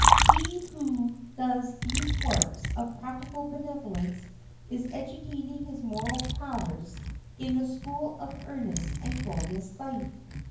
He who does these works of practical benevolence is educating his moral powers in the school of earnest and glorious life.